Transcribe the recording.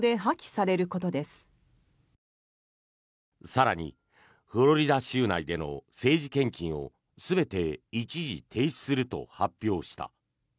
更にフロリダ州内での政治献金を全て一時停止すると発表した。